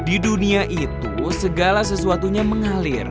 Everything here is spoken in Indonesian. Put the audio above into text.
di dunia itu segala sesuatunya mengalir